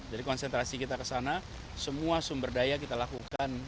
jadi konsentrasi kita ke sana semua sumber daya kita lakukan